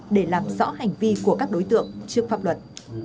để làm rõ hành vi của các đối tượng trước pháp luật